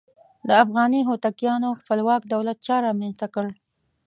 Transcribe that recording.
د افغاني هوتکیانو خپلواک دولت چا رامنځته کړ؟